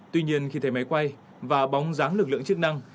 tuy nhiên khi thấy máy quay và bóng dáng lực lượng trên đường